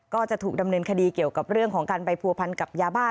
ก็จะถูกดำเนินคดีเกี่ยวกับเรื่องของการไปผัวพันกับยาบ้า